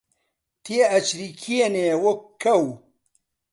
تێئەچریکێنێ وەک کەو